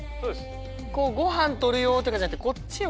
こうごはんとる用とかじゃなくてこっちを。